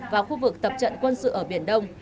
vào khu vực tập trận quân sự ở biển đông